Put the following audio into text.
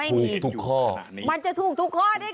มันจะถูกทุกข้อนี่ไง